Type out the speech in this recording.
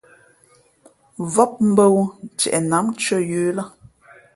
Vóp mbᾱ wū ntieʼ nǎm ntʉ̄ᾱ yə̌ lά.